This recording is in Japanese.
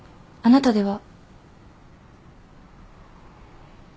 あなたでは？